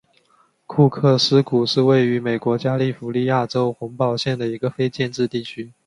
库克斯谷是位于美国加利福尼亚州洪堡县的一个非建制地区。